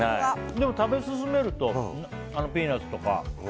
でも食べ進めるとピーナツとか。